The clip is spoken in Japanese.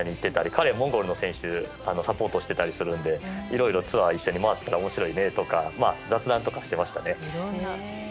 彼はモンゴルの選手をサポートをしていたりするのでいろいろツアーを一緒に回ったら面白いねとか雑談とかしていましたね。